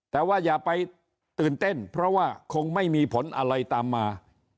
แต่ว่าอย่าไปตื่นเต้นเพราะว่าคงไม่มีผลอะไรตามมา